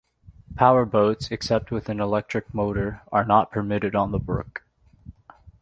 Power boats, except with an electric motor, are not permitted on the brook.